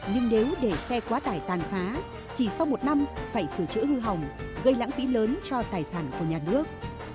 nhưng nếu để xe quá tải tàn phá chỉ sau một năm phải sửa chữa hư hỏng gây lãng phí lớn cho tài sản của nhà nước